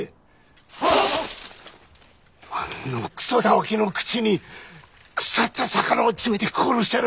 あんのくそたわけの口に腐った魚を詰めて殺してやる。